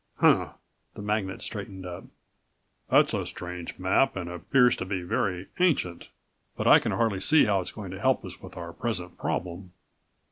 "Huh!" The magnate straightened up. "That's a strange map and appears to be very ancient, but I can hardly see how it is going to help us with our present problem."